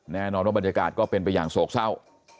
แน่นอนว่าบรรยากาศก็เป็นไปอย่างโศกเศร้า